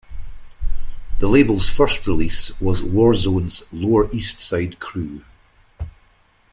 The label's first release was Warzone's "Lower East Side Crew".